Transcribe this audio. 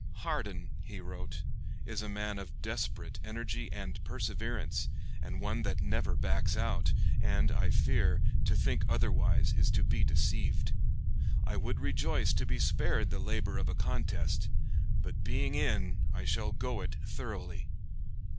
"Hardin," he wrote, "is a man of desperate energy and perseverance, and one that never backs out; and, I fear, to think otherwise is to be deceived.... I would rejoice to be spared the labor of a contest, 'but being in' I shall go it thoroughly...."